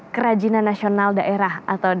kerajinan nasional daerah atau